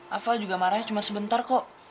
alva juga marah cuma sebentar kok